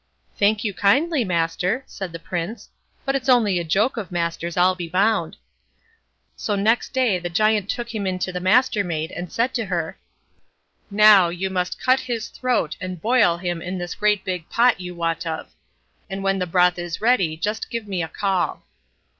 "Thank you kindly, master", said the Prince; "but it's only a joke of master's, I'll be bound." So next day the Giant took him in to the Mastermaid, and said to her: "Now, you must cut his throat, and boil him in the great big pot you wot of; and when the broth is ready, just give me a call."